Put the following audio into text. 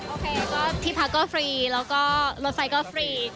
โอเคก็ที่พักก็ฟรีแล้วก็รถไฟก็ฟรี